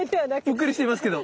ぷっくりしてますけど。